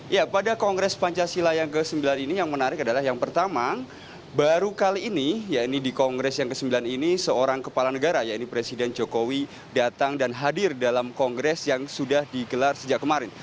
ya pada kongres pancasila yang ke sembilan ini yang menarik adalah yang pertama baru kali ini ya ini di kongres yang ke sembilan ini seorang kepala negara ya ini presiden jokowi datang dan hadir dalam kongres yang sudah digelar sejak kemarin